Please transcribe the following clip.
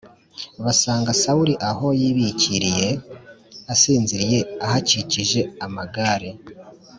basanga Sawuli aho yibīkiriye asinziriye ahakikije amagare